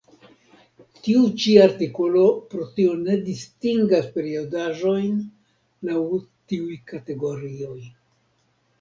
Tiu ĉi artikolo pro tio ne distingas periodaĵojn laŭ tiuj kategorioj.